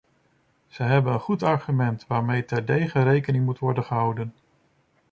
Zij hebben een goed argument waarmee terdege rekening moet worden gehouden.